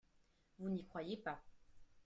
Vous n’y croyez pas